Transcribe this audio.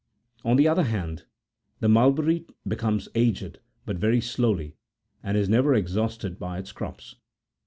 (28.) On the other hand, the mulberry becomes aged41 but very slowly, and is never exhausted by its crops.